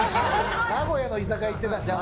名古屋の居酒屋行ってたんとちゃう。